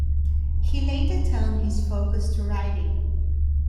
He later turned his focus to writing.